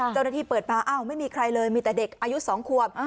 เจ้าหน้าที่เปิดมาอ้าวไม่มีใครเลยมีแต่เด็กอายุ๒ขวบ